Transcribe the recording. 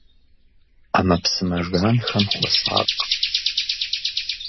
Ӏэмэпсымэ жанхэм хуэсакъ.